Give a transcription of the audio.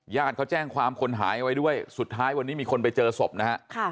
เขาแจ้งความคนหายไว้ด้วยสุดท้ายวันนี้มีคนไปเจอศพนะฮะ